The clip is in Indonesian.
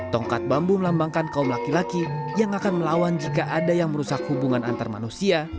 tongkat bambu melambangkan kaum laki laki yang akan melawan jika ada yang merusak hubungan antar manusia